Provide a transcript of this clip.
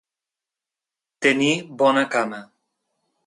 Tenir bona cama.